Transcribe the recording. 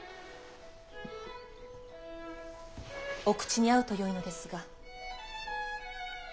お口に合うとよいのですが。